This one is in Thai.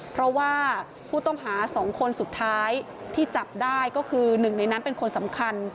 เพราะว่าผู้ต้องหา๒คนสุดท้ายที่จับได้ก็คือหนึ่งในนั้นเป็นคนสำคัญ